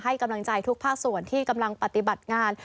ให้กำลังใจทุกภาคส่วนที่กำลังปฏิบัติงาน